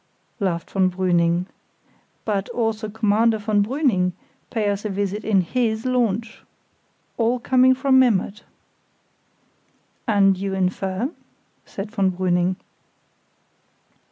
laughed von Brüning. "But also Commander von Brüning, pay us a visit in his launch, all coming from Memmert!" "And you infer?" said von Brüning.